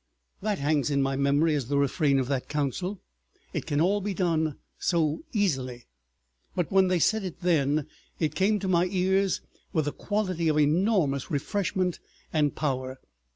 That hangs in my memory as the refrain of that council, "It can all be done so easily," but when they said it then, it came to my ears with a quality of enormous refreshment and power.